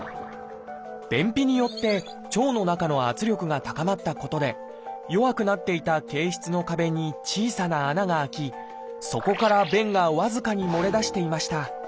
便秘によって腸の中の圧力が高まったことで弱くなっていた憩室の壁に小さな穴が開きそこから便が僅かに漏れ出していました。